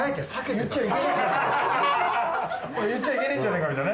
言っちゃいけねえんじゃねえかみたいなね。